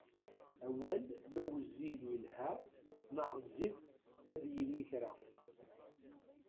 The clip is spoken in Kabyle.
Awal ma wezzil yelha ma ɣezzif ad yini kra!